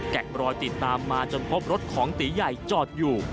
รอยติดตามมาจนพบรถของตีใหญ่จอดอยู่